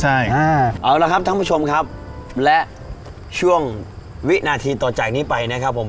ใช่อ่าเอาละครับท่านผู้ชมครับและช่วงวินาทีต่อจากนี้ไปนะครับผม